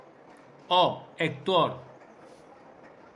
Ò Hectòr!